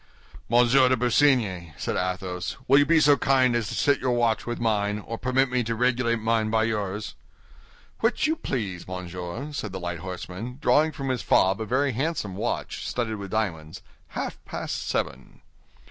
"Monsieur de Busigny," said Athos, "will you be so kind as to set your watch with mine, or permit me to regulate mine by yours?" "Which you please, monsieur!" said the light horseman, drawing from his fob a very handsome watch, studded with diamonds; "half past seven."